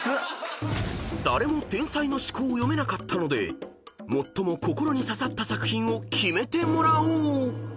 ［誰も天才の思考を読めなかったので最も心に刺さった作品を決めてもらおう］